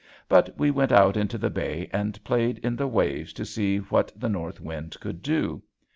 But we went out into the bay and played in the waves to see what the north wind could do.